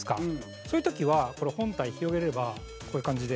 そういう時は、本体広げればこういう感じで。